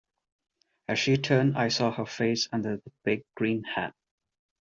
As she turned I saw her face under the big green hat.